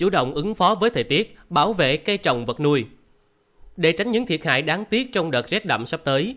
để tránh những thiệt hại đáng tiếc trong đợt rét đậm sắp tới